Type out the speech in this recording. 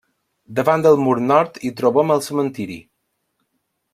Davant del mur nord hi trobem el cementiri.